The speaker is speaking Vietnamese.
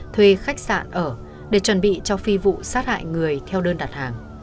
thuê khách sạn ở để chuẩn bị cho phi vụ sát hại người theo đơn đặt hàng